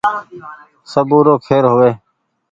سبو رو کير هووي